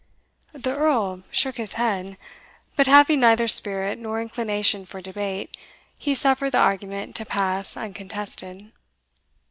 The Earl shook his head; but having neither spirit nor inclination for debate, he suffered the argument to pass uncontested.